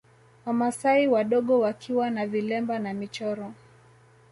Wamasai wadogo wakiwa na vilemba na michoro